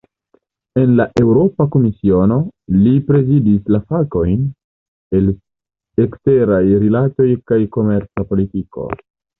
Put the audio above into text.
En la Eŭropa Komisiono, li prezidis la fakojn "eksteraj rilatoj kaj komerca politiko".